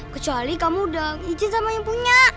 kecuali kamu udah izin sama yang punya